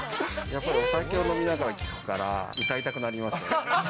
やっぱりお酒を飲みながら聴くから、歌いたくなりますね。